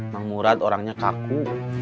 mang murad orangnya kaku